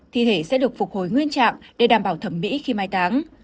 thi thể sẽ được phục hồi nguyên trạng để đảm bảo thẩm mỹ khi mai táng